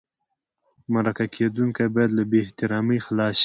مرکه کېدونکی باید له بې احترامۍ خلاص شي.